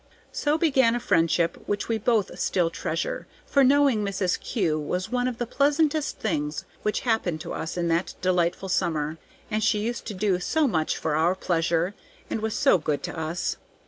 So began a friendship which we both still treasure, for knowing Mrs. Kew was one of the pleasantest things which happened to us in that delightful summer, and she used to do so much for our pleasure, and was so good to us.